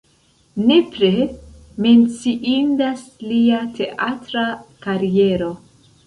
Nepre menciindas lia teatra kariero.